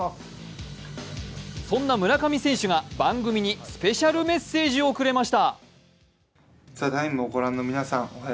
そんな村上選手が番組にスペシャルメッセージをくれました。